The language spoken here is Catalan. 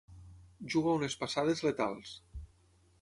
Juga unes passades letals.